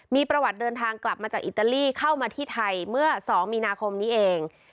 มีประวัติเดินทางกลับมาจากอิตาลีเข้ามาที่ไทยเมื่อ๒มีนาคมนี้เอง